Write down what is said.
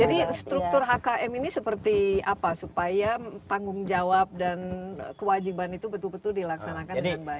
jadi struktur hkm ini seperti apa supaya tanggung jawab dan kewajiban itu betul betul dilaksanakan dengan baik